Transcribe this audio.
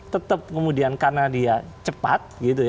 tetap kemudian karena dia cepat